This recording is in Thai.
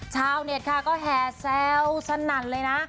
ชาวเน็ตค่ะก็แห่แซวสนั่นเลยนะ